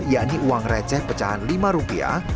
yakni uang receh pecahan lima rupiah